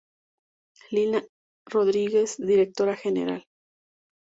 Lina Rodríguez: Directora General.